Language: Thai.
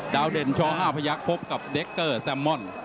เด่นช๕พยักษ์พบกับเด็กเกอร์แซมม่อน